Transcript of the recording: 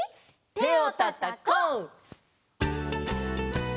「てをたたこ」！